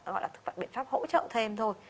gọi là thực vật biện pháp hỗ trợ thêm thôi